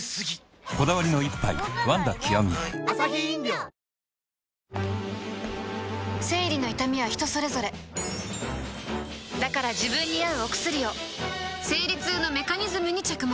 こだわりの一杯「ワンダ極」生理の痛みは人それぞれだから自分に合うお薬を生理痛のメカニズムに着目